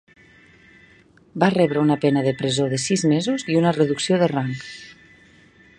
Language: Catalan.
Va rebre una pena de presó de sis mesos i una reducció de rang.